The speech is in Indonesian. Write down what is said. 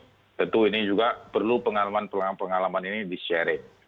jadi tentu ini juga perlu pengalaman pengalaman ini di share